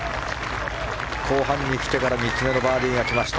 後半にきてから３つ目のバーディーがきました。